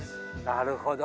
なるほど！